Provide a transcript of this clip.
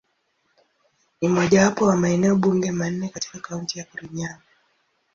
Ni mojawapo wa maeneo bunge manne katika Kaunti ya Kirinyaga.